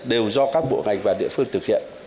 đều do các bộ ngành và địa phương thực hiện